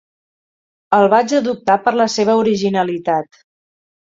El vaig adoptar per la seva originalitat.